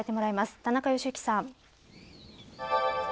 田中良幸さん。